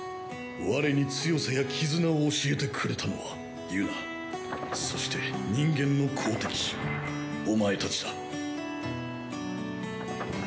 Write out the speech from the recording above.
我に強さや絆を教えてくれたのはユナそして人間の好敵手お前たちだ。